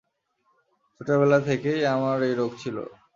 ছোটবেলা থেকেই আমার এই রোগ ছিল।